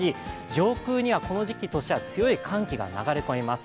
上空にはこの時期としては強い寒気が流れ込みます。